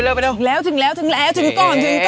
ถึงแล้วถึงแล้วถึงก่อน